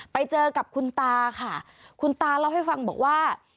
ไปเจอกับคุณตาค่ะคุณตาเล่าให้ฟังบอกว่า